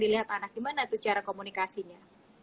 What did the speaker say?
dilihat anak gimana tuh cara komunikasinya